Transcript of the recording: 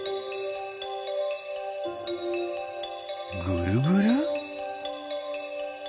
ぐるぐる？